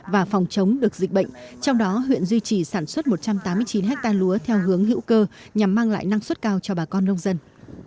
và phòng chống được dịch bệnh trong đó huyện duy trì sản xuất một trăm tám mươi chín ha lúa theo hướng hữu cơ nhằm mang lại năng suất cao cho bà con nông dân